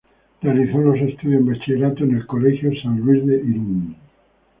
Realizó los estudios en Bachillerato en el Colegio San Luis de Irun.